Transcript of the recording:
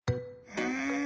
うん。